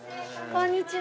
こんにちは。